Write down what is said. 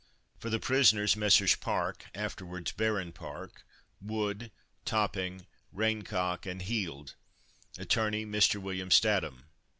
For the prisoners, Messrs. Park (afterwards Baron Park), Wood, Topping, Raincock, and Heald; attorney, Mr. William Statham.